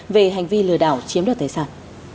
về hành vi lừa đảo chiếm được tài sản